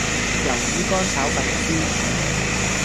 魷魚乾炒粉絲